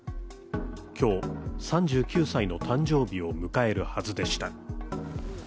今日、３９歳の誕生日を迎えるはずでした。